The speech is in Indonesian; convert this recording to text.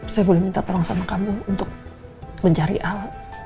saya boleh minta tolong sama kamu untuk mencari al